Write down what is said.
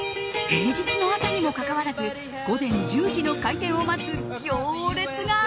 平日の朝にもかかわらず午前１０時の開店を待つ行列が。